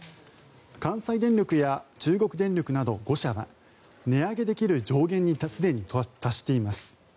関西電力や中国電力など５社は値上げできる上限にすでに達しています。